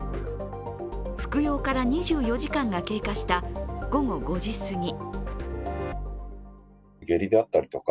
服用から２４時間が経過した午後５時すぎ。